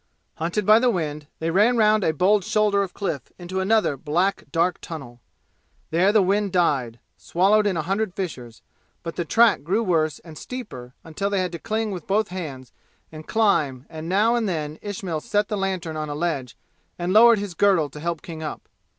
Hunted by the wind, they ran round a bold shoulder of cliff into another black dark tunnel. There the wind died, swallowed in a hundred fissures, but the track grew worse and steeper until they had to cling with both hands and climb and now and then Ismail set the lantern on a ledge and lowered his girdle to help King up.